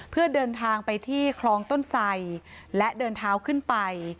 เพื่อเดินทางไปที่คลองต้นไสและเดินเท้าขึ้นไป